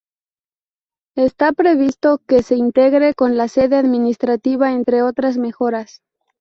Está previsto que se integre con la sede administrativa, entre otras mejoras.